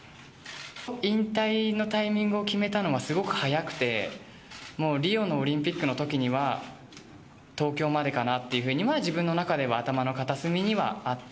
引退のタイミングを決めたのは、すごく早くて、もうリオのオリンピックのときには、東京までかなっていうふうには、自分の中では、頭の片隅にはあって。